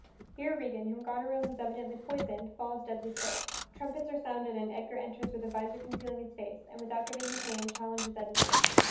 Here Regan, whom Goneril has evidently poisoned, falls deadly sick. Trumpets are sounded and Edgar enters with a vizor concealing his face, and, without giving his name, challenges Edmund.